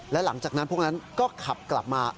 และหลังจากนั้นพวกนั้นก็ขับกลับมา